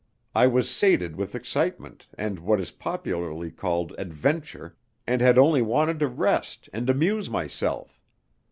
I was sated with excitement and what is popularly called "adventure," and had only wanted to rest and amuse myself.